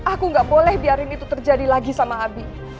aku gak boleh biarin itu terjadi lagi sama habi